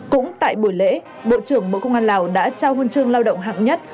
cũng tại buổi lễ bộ trưởng bộ công an lào đã trao huân chương lao động hạng nhất